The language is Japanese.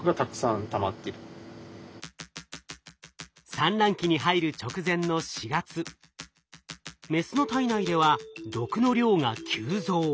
産卵期に入る直前の４月メスの体内では毒の量が急増。